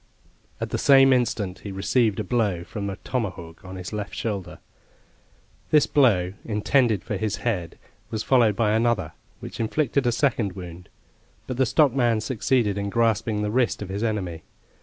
At the same instant he received a blow from a tomahawk on his left shoulder. This blow, intended for his head, was followed by another, which inflicted a second wound; but the stockman succeeded in grasping the wrist of his enemy.